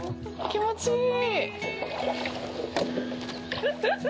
気持ちいい！